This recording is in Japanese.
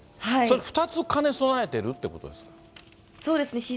それ、２つ兼ね備えてるってことそうですね。